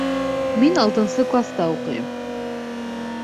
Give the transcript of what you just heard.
Мин алтынсы класта уҡыйым.